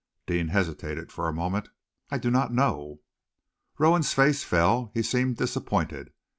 Deane hesitated for a moment. "I do not know." Rowan's face fell. He seemed disappointed.